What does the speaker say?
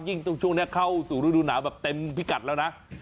ช่วงนี้เข้าสู่ฤดูหนาวแบบเต็มพิกัดแล้วนะ